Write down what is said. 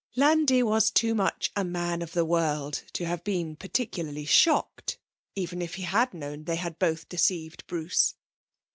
Landi was too much of a man of the world to have been particularly shocked, even if he had known they had both deceived Bruce.